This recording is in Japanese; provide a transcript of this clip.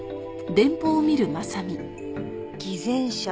「偽善者！